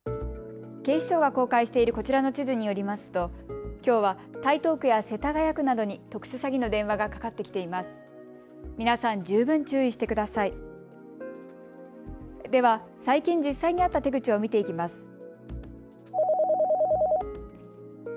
警視庁が公開しているこちらの地図によりますときょうは台東区や世田谷区などに特殊詐欺の電話がかかってきています。